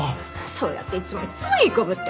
そうやっていつもいつもいい子ぶって。